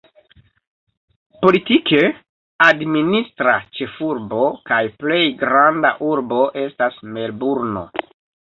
Politike administra ĉefurbo kaj plej granda urbo estas Melburno.